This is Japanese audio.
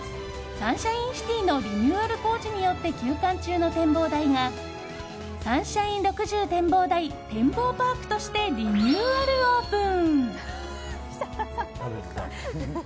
サンシャインシティのリニューアル工事によって休館中の展望台がサンシャイン６０展望台てんぼうパークとしてリニューアルオープン。